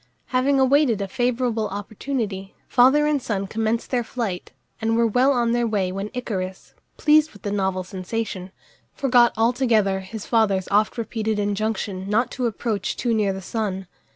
Having awaited a favourable opportunity, father and son commenced their flight, and were well on their way when Icarus, pleased with the novel sensation, forgot altogether his father's oft repeated injunction not to approach too near the sun.